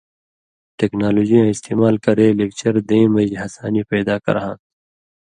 ٹیکنالوجی یاں استعمال کرے لېکچر دېں مژ ہسانی پیدا کرہاں تھہ۔